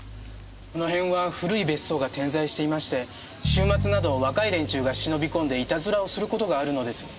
この辺は古い別荘が点在していまして週末など若い連中が忍び込んでいたずらをすることがあるのです。